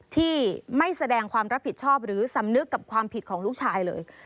ที่ไม่แสดงความรับผิดชอบหรือสำนึกกับความผิดของลูกชายเลย